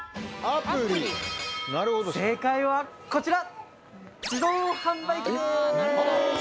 正解はこちら！